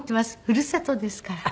ふるさとですから。